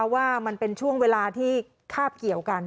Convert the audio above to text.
ว่ามันเป็นช่วงเวลาที่คาบเกี่ยวกัน